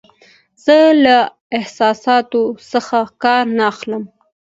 زه له احساساتو څخه کار نه اخلم.